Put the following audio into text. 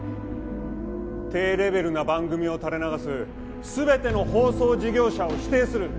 低レベルな番組を垂れ流す全ての放送事業者を否定する！